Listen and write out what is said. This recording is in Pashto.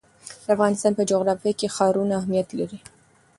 د افغانستان په جغرافیه کې ښارونه اهمیت لري.